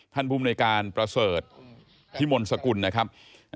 ท่านผู้อำนวยการประเสริฐธิมนต์สกุลนะครับ